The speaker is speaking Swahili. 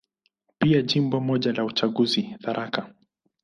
Pia Jimbo moja la uchaguzi, Tharaka.